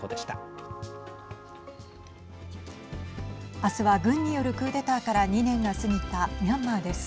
明日は軍によるクーデターから２年が過ぎたミャンマーです。